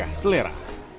dan juga selera